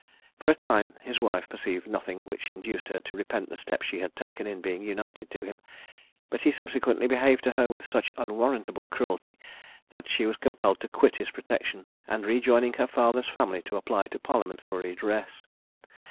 For a time his wife perceived nothing which induced her to repent the step she had taken in being united to him; but he subsequently behaved to her with such unwarrantable cruelty, that she was compelled to quit his protection, and rejoining her father's family, to apply to Parliament for redress.